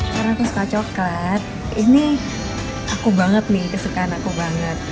karena aku suka coklat ini aku banget nih kesukaan aku banget